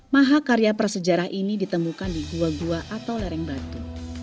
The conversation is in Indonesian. maha karya prasejarah ini ditemukan di gua gua atau lereng batu